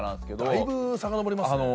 だいぶさかのぼりますね。